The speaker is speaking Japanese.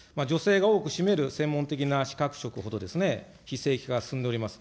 女性が多く占める専門的な資格職ほどですね、非正規化が進んでおります。